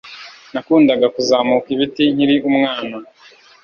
Nakundaga kuzamuka ibiti nkiri umwana